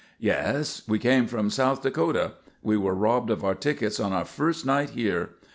"Yes. We came from South Dakota. We were robbed of our tickets on our first night here.